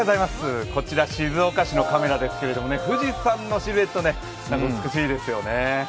こちら静岡市のカメラですけれども富士山のシルエット美しいですね。